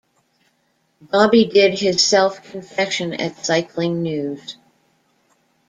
Bobby did his self-confession at CyclingNews.